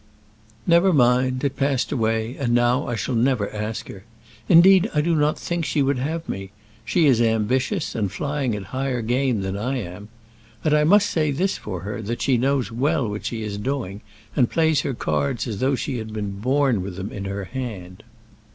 "Never mind; it passed away; and now I shall never ask her. Indeed I do not think she would have me. She is ambitious, and flying at higher game than I am. And I must say this for her, that she knows well what she is doing, and plays her cards as though she had been born with them in her hand."